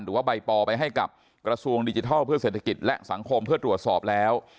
หรือว่าใบปอไปให้กับกระทรวงดิจิทัลเพื่อเศรษฐกิจและสังคมเพื่อตรวจสอบแล้ว